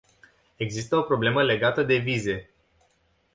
Există o problemă legată de vize.